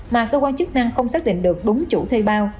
mà cơ quan chức năng không xác định được đúng chủ thuê bao